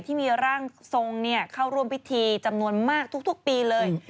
ที่มีร่างทรงเข้าร่วมพิธีจำนวนมากทุกปีเลย